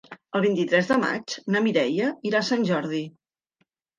El vint-i-tres de maig na Mireia irà a Sant Jordi.